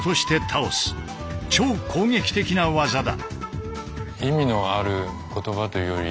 超攻撃的な技だ。